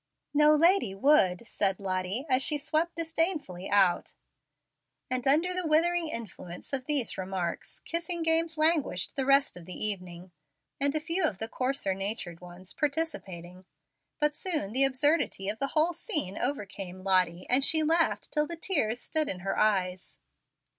"No lady would," said Lottie, as she swept disdainfully out; and under the withering influence of these remarks kissing games languished the rest of the evening; only young children, and a few of the coarser natured ones, participating. But soon the absurdity of the whole scene overcame Lottie, and she laughed till the tears stood in her eyes.